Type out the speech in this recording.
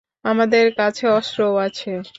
আমাদের কাছে অস্ত্রও আছে।